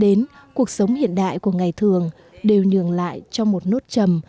đến cuộc sống hiện đại của ngày thường đều nhường lại cho một nốt chầm